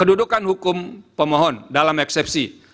kedudukan hukum pemohon dalam eksepsi